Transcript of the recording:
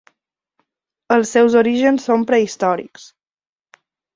Els seus orígens són prehistòrics.